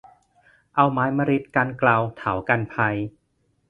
เอาไม้มะริดกันเกลาเถากันภัย